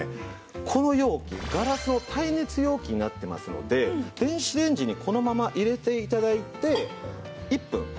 この容器ガラスの耐熱容器になっていますので電子レンジにこのまま入れて頂いて１分。